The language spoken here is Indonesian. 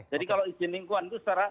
jadi kalau izin lingkungan itu secara